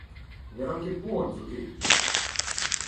Ne ra ket poan zoken.